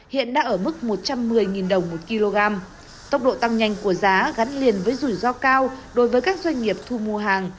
hiện đã ở mức một trăm một mươi đồng một kg tốc độ tăng nhanh của giá gắn liền với rủi ro cao đối với các doanh nghiệp thu mua hàng